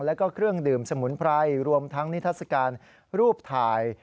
แล้วก็เครื่องดื่มสมุนไพรรวมทั้งนิทัศกาลรูปถ่าย